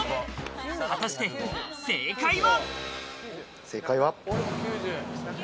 果たして正解は。